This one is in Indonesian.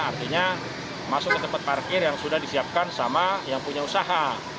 artinya masuk ke tempat parkir yang sudah disiapkan sama yang punya usaha